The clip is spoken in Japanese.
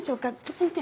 先生。